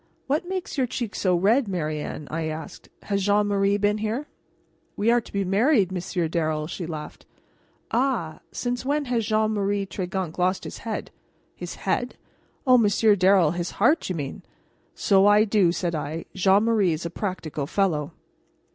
"What makes your cheeks so red, Marianne?" I asked. "Has Jean Marie been here?" "We are to be married, Monsieur Darrel," she laughed. "Ah! Since when has Jean Marie Tregunc lost his head?" "His head? Oh, Monsieur Darrel his heart, you mean!" "So I do," said I. "Jean Marie is a practical fellow."